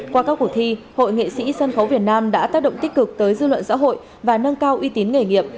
qua các cuộc thi hội nghệ sĩ sân khấu việt nam đã tác động tích cực tới dư luận xã hội và nâng cao uy tín nghề nghiệp